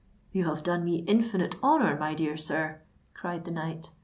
"You have done me infinite honour, my dear sir," cried the knight.